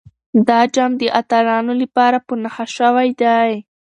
دا جام د اتلانو لپاره په نښه شوی دی.